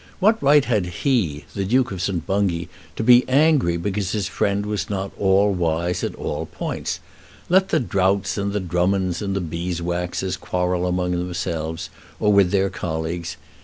What right had he, the Duke of St. Bungay, to be angry because his friend was not all wise at all points? Let the Droughts and the Drummonds and the Beeswaxes quarrel among themselves or with their colleagues.